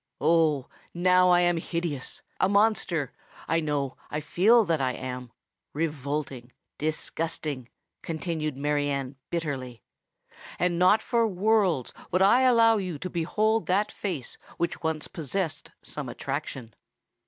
Oh! now I am hideous—a monster,—I know, I feel that I am,—revolting, disgusting," continued Mary Anne, bitterly; "and not for worlds would I allow you to behold that face which once possessed some attraction."